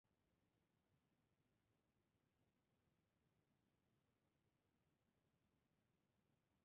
Wylie was an enthusiast for lighting and always planned it carefully himself.